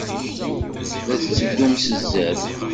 La tetteddum s zzerb.